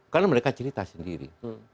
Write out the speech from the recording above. karena mereka cerita sendiri